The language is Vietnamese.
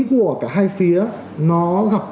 của cả hai phía nó gặp